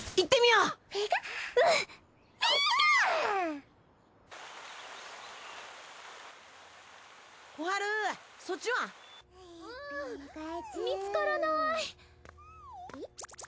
うん見つからない。